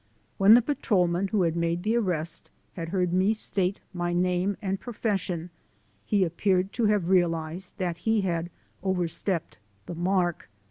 When the patrol man who had made the arrest had heard me state my name and profession, he appeared to have realized that he had overstepped the mark.